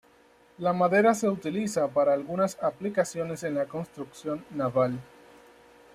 La madera se utiliza para algunas aplicaciones en la construcción naval.